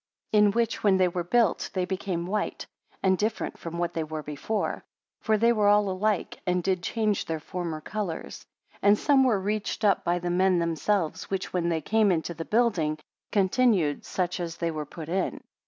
36 In which when they were built they became white, and different from what they were before; for they were all alike, and did change their former colours. And some were reached up by the men themselves, which when they came into the building, continued such is they were put in.